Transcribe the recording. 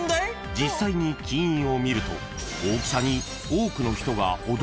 ［実際に金印を見ると］きた？